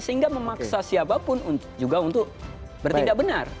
sehingga memaksa siapapun juga untuk bertindak benar